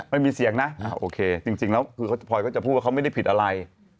ไม่มีเสียงนะโอเคจริงแล้วคือพลอยก็จะพูดว่าเขาไม่ได้ผิดอะไร